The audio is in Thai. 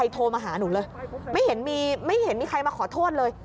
โทรมาหาหนูเลยไม่เห็นมีไม่เห็นมีใครมาขอโทษเลย